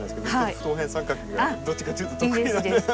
不等辺三角形がどっちかっていうと得意なんで。